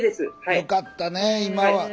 よかったねえ